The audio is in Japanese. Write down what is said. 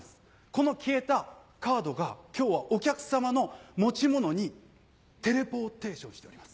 この消えたカードが今日はお客さまの持ち物にテレポーテーションしております。